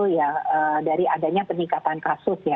ya dari adanya peningkatan kasus ya